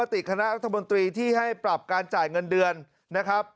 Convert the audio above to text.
ติคณะรัฐมนตรีที่ให้ปรับการจ่ายเงินเดือนนะครับ